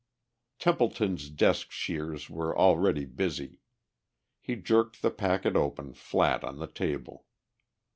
Templeton's desk shears were already busy. He jerked the packet open flat on the table.